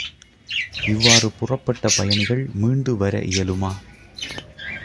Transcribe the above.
இவ்வாறு புறப்பட்ட பயணிகள் மீண்டு வர இயலுமா?